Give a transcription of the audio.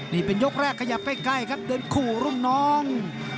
นี่เป็นยกแรกขยับใกล้ครับเดินคู่รุ่นน้อง